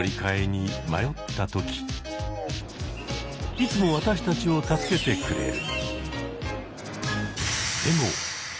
いつも私たちを助けてくれる。